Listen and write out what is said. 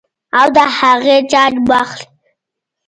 او د هغې جاج به اخلي -